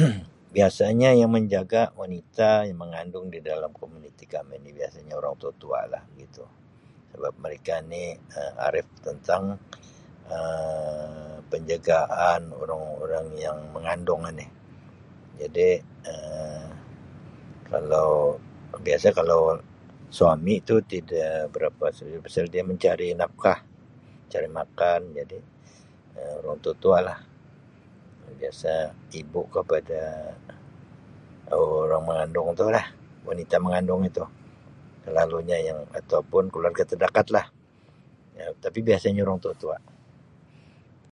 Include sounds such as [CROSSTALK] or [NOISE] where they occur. [COUGHS] Biasanya yang menjaga wanita yang mengandung di dalam komuniti kami ni biasanya orang tua-tua lah sebab mereka ni Um arip tentang Um penjagaan orang-orang yang mengandung ini jadi Um kalau-biasa kalau suami tu tida berapa su- pasal dia mencari nafkah, mencari makan jadi Um orang tua-tua lah. Biasa ibu kepada orang-orang mengandung tulah, wanita mengandung itu selalunya yang ataupun keluarga terdakatlah ya tapi biasanya orang tua-tua.